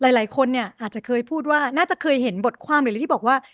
หลายคนเนี่ยอาจจะเคยพูดว่าน่าจะเคยเห็นบทความหรือที่บอกว่า